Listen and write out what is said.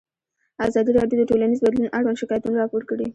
ازادي راډیو د ټولنیز بدلون اړوند شکایتونه راپور کړي.